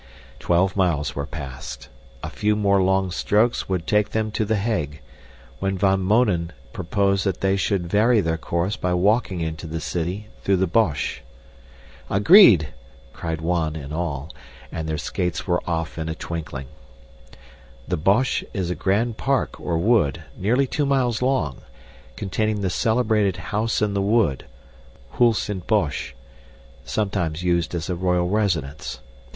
Twelve miles were passed. A few more long strokes would take them to The Hague, when Van Mounen proposed that they should vary their course by walking into the city through the Bosch. "Agreed!" cried one and all and their skates were off in a twinkling. The Bosch is a grand park or wood, nearly two miles long, containing the celebrated House in the Wood Huis in't Bosch sometimes used as a royal residence.